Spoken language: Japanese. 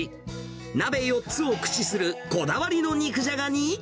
鍋４つを駆使するこだわりの肉じゃがに。